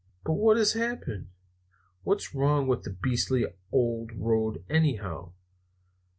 "But what has happened? What's wrong with the beastly old road, anyhow?"